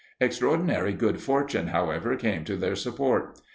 Extraordinary good fortune, however, came to their support.